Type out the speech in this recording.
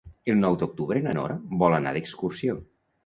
El nou d'octubre na Nora vol anar d'excursió.